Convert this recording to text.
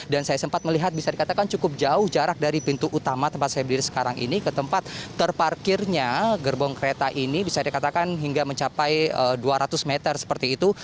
dan saya sempat melihat bisa dikatakan cukup jauh jarak dari pintu utama tempat saya berdiri sekarang ini ke tempat terparkirnya gerbong kereta ini bisa dikatakan hingga mencapai dua ratus meter seperti itu